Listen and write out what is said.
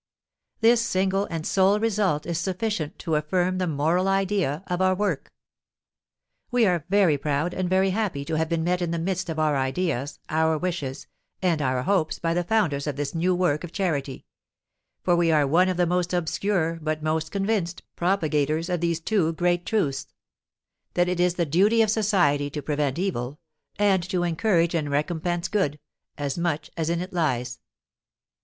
This single and sole result is sufficient to affirm the moral idea of our work. We are very proud and very happy to have been met in the midst of our ideas, our wishes, and our hopes by the founders of this new work of charity; for we are one of the most obscure, but most convinced, propagators of these two great truths, that it is the duty of society to prevent evil, and to encourage and recompense good, as much as in it lies.